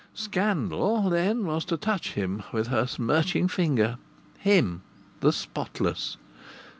Scandal, then, was to touch him with her smirching finger, him the spotless!